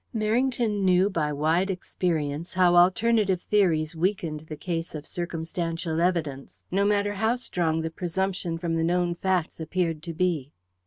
Merrington knew by wide experience how alternative theories weakened the case of circumstantial evidence, no matter how strong the presumption from the known facts appeared to be.